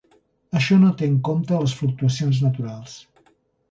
Això no té en compte les fluctuacions naturals.